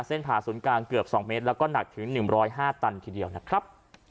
ผ่าศูนย์กลางเกือบ๒เมตรแล้วก็หนักถึง๑๐๕ตันทีเดียวนะครับ